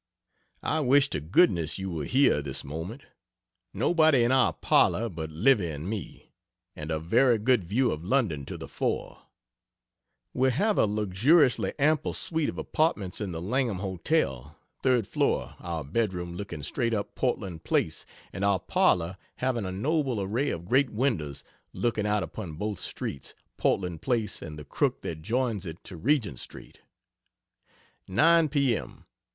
I wish to goodness you were here this moment nobody in our parlor but Livy and me, and a very good view of London to the fore. We have a luxuriously ample suite of apartments in the Langham Hotel, 3rd floor, our bedroom looking straight up Portland Place and our parlor having a noble array of great windows looking out upon both streets (Portland Place and the crook that joins it to Regent Street.) 9 P.M.